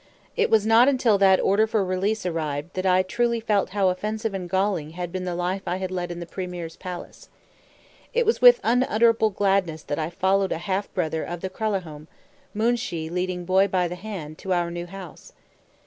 It was not until that "order for release" arrived, that I truly felt how offensive and galling had been the life I had led in the premier's palace. It was with unutterable gladness that I followed a half brother of the Kralahome, Moonshee leading Boy by the hand, to our new house.